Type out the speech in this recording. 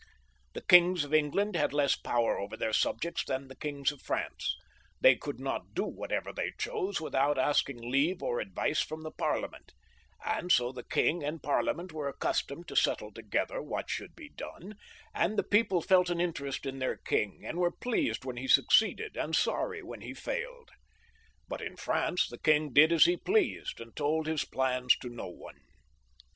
The kings of England had less power over their subjects than the kings of France ; they could not do whatever they chose without asking leave or advice from the Parlia XXV.] PHILIP VL 157 ment, and so the King and Parliament were accustomed to settle together what should be done, and the people felt an interest in their king, and were pleased when he succeeded, and sorry when he failed. But in France the king did as he pleased, and told his plans to no one.